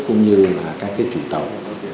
cũng như là các chủ tộc